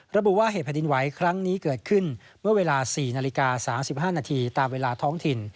ระบุว่าเหตุแผ่นดินไหวครั้งนี้เกิดขึ้นเมื่อเวลา๔นาฬิกา๓๕นาทีตามเวลาท้องถิ่น